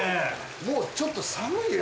もうちょっと寒いよ